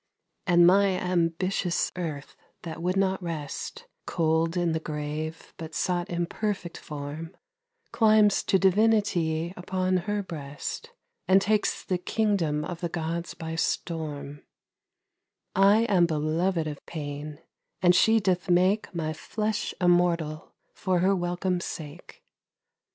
138 THE ASCETIC'S LOVE SONG And my ambitious earth that would not rest Cold in the grave, but sought imperfect form Climbs to divinity upon her breast And takes the kingdom of the gods by storm ; I am beloved of Pain, and she doth make My flesh immortal for her welcome's sake.